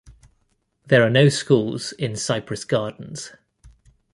There are no schools in Cypress Gardens.